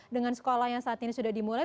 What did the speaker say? dengan sekolah yang saat ini sudah dimulai